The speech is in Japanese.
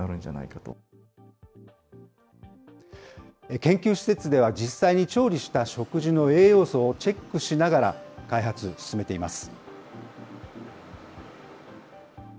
研究施設では、実際に調理した食事の栄養素をチェックしながら開発を進めています。